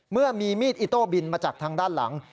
เมื่อมีมีดอิโต้บินมาจากทางด้านหลัง